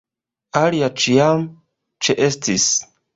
Alia ĉiam ĉeestis.